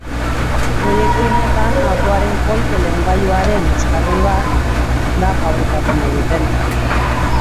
Proiektu honetan, autoaren kolpe-leungailuaren euskarri bat da fabrikatu nahi dutena.